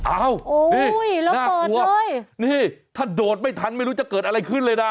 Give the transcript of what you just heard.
อ้าวนี่น่ากลัวนี่ถ้าโดดไม่ทันไม่รู้จะเกิดอะไรขึ้นเลยนะ